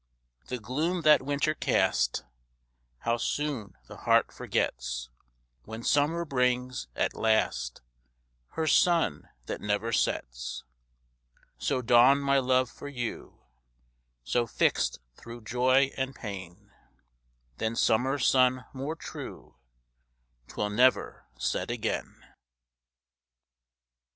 The gloom that winter cast, How soon the heart forgets, When summer brings, at last, Her sun that never sets! So dawned my love for you; So, fixt thro' joy and pain, Than summer sun more true, 'Twill never set again.